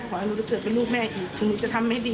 ขออนุตาเกิดเป็นลูกแม่อีกถึงหนูจะทำไม่ดี